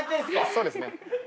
そうですね。